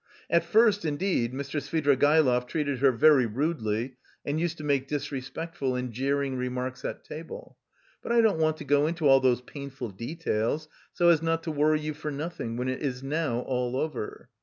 At first indeed Mr. Svidrigaïlov treated her very rudely and used to make disrespectful and jeering remarks at table.... But I don't want to go into all those painful details, so as not to worry you for nothing when it is now all over.